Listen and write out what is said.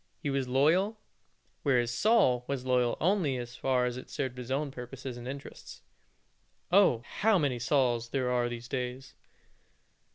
He was loyal; whereas Saul was loyal only as far as it served his own purposes and interests. Oh! how many such Sauls there are in these days.